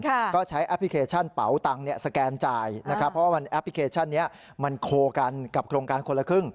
ก็ใช้แอปพลิเคชันเป๋าตังค์เนี่ยสแกนจ่ายนะครับเพราะว่าแอปพลิเคชันเนี้ยมันโคกันกับโครงการคนละครึ่ง